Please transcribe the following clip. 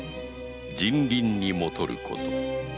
「人倫にもとること」